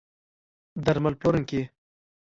درمل پلورونکي